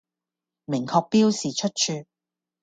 明確標示出處